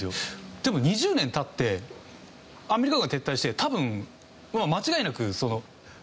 でも２０年経ってアメリカ軍が撤退して多分間違いなく混乱すると思うんですよ。